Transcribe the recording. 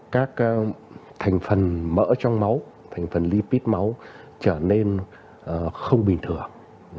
các thành phần mỡ trong máu thành phần lipid máu trở nên không bình thường